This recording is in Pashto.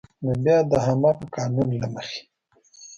نو بیا د همغه قانون له مخې